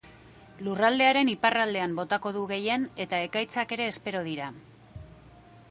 Lurraldearen iparraldean botako du gehien, eta ekaitzak ere espero dira.